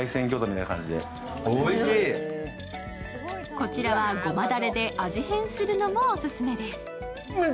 こちらはごまだれで味変するのもオススメです。